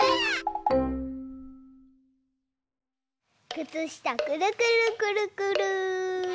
くつしたくるくるくるくる。